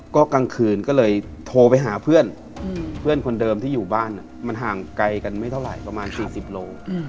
ก็กลางคืนก็เลยโทรไปหาเพื่อนเพื่อนคนเดิมที่อยู่บ้านมันห่างไกลกันไม่เท่าไหร่ประมาณ๔๐โล